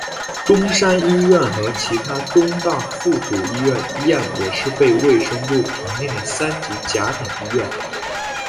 中山一院和其它中大附属医院一样也是被卫生部评定的三级甲等医院。